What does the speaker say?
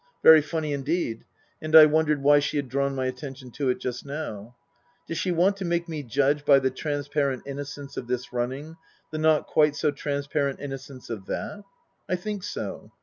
Very funny indeed. And I wondered why she had drawn my attention to it just now ? Did she want to make me judge by the transparent innocence of this running the not quite so transparent innocence of that ? I think so.